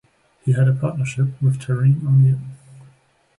He had a partnership with Taryn O'Neill.